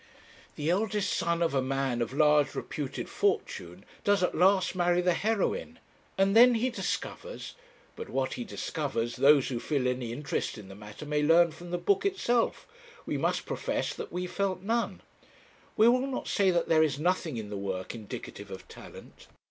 ' The eldest son of a man of large reputed fortune, does at last marry the heroine; and then he discovers But what he discovers, those who feel any interest in the matter may learn from the book itself; we must profess that we felt none. 'We will not say there is nothing in the work indicative of talent.